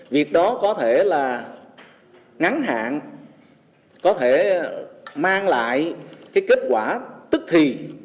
việc đó có thể là ngắn hạn có thể mang lại cái kết quả tức thì